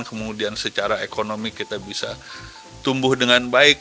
kemudian secara ekonomi kita bisa tumbuh dengan baik